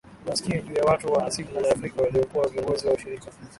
tunasikia juu ya watu wa asili ya Afrika waliokuwa viongozi wa ushirika